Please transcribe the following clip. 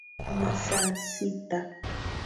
Ni saa sita.